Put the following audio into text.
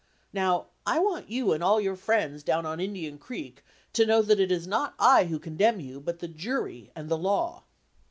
Now I want you and all your friends down on Indian Creek to know that it is not I who con demn you, but the jury and the law.